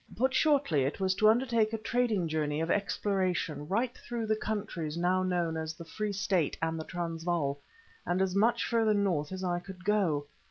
Put shortly, it was to undertake a trading journey of exploration right through the countries now known as the Free State and the Transvaal, and as much further North as I could go.